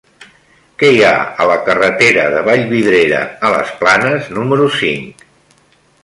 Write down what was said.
Què hi ha a la carretera de Vallvidrera a les Planes número cinc?